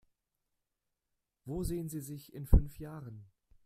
Wo sehen Sie sich in fünf Jahren?